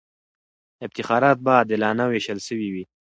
افتخارات به عادلانه وېشل سوي وي.